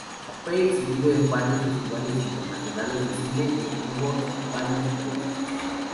Fue exhibido en varios festivales internacionales de cine y obtuvo varios premios.